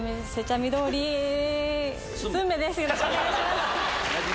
よろしくお願いします。